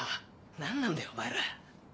何なんだよお前ら。